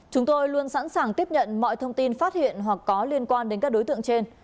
chúng tôi luôn sẵn sàng tiếp nhận mọi thông tin phát hiện hoặc có liên quan đến các đối tượng trên